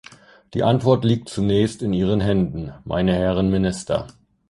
Die Antwort liegt zunächst in Ihren Händen, meine Herren Minister.